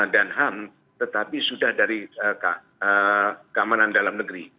dan ham tetapi sudah dari keamanan dalam negeri